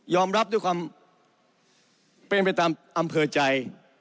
รับด้วยความเป็นไปตามอำเภอใจ